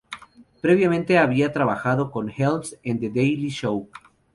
Previamente había trabajado con Helms en "The Daily Show".